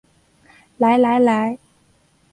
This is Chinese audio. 来来来